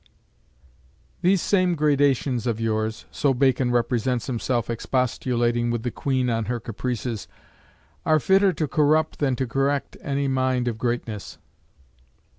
"These same gradations of yours" so Bacon represents himself expostulating with the Queen on her caprices "are fitter to corrupt than to correct any mind of greatness."